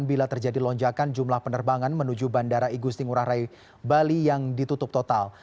bila terjadi lonjakan jumlah penerbangan menuju bandara igusti ngurah rai bali yang ditutup total